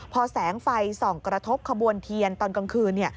พอแสงไฟส่องกระทบขบวนเทียนตอนกลางคืน